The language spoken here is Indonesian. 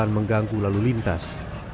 jalan mengganggu lalu lintas